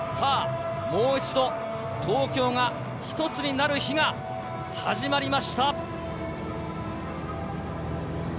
「もう一度、東京がひとつになる日。」が始まりました。